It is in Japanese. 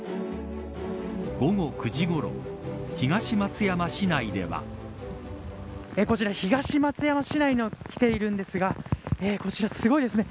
午後９時ごろ東松山市内では。こちら、東松山市内に来ているんですがすごいですね。